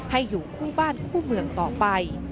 ให้อยู่คู่บ้านคู่เมืองต่อไป